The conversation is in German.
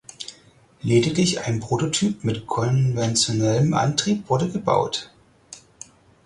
Lediglich ein Prototyp mit konventionellem Antrieb wurde gebaut.